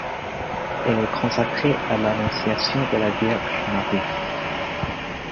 Elle est consacrée à l'Annonciation de la Vierge Marie.